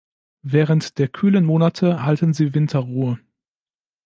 Während der kühlen Monate halten sie Winterruhe.